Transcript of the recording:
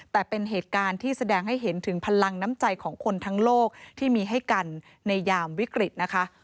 แต่เป็นเหตุการณ์ที่แสดงให้เห็นถึงพลังน้ำใจของคนทั้งโลกที่มีให้กันในยามวิกฤตนะคะ